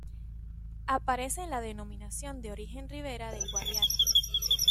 Aparece en la Denominación de Origen Ribera del Guadiana.